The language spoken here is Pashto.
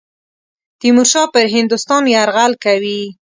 تیمورشاه پر هندوستان یرغل کوي.